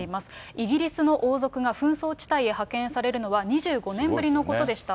イギリスの王族が紛争地帯へ派遣されるのは２５年ぶりのことでした。